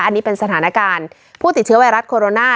อันนี้เป็นสถานการณ์ผู้ติดเชื้อไวรัสโคโรนา